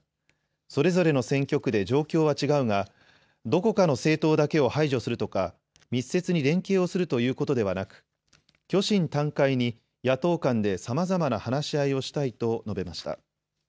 それぞれの選挙区で状況は違うがどこかの政党だけを排除するとか密接に連携をするということではなく、虚心たん懐に野党間でさまざまな話し合いをしたいと述べました。